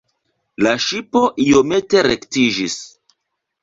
La ŝipo iomete rektiĝis.